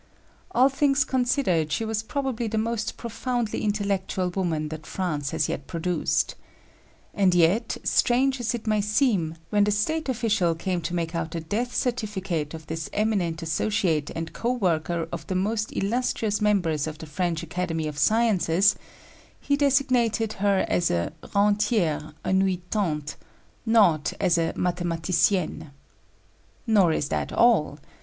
All things considered, she was probably the most profoundly intellectual woman that France has yet produced. And yet, strange as it may seem, when the state official came to make out the death certificate of this eminent associate and co worker of the most illustrious members of the French Academy of Sciences he designated her as a rentière annuitant not as a mathématicienne. Nor is this all.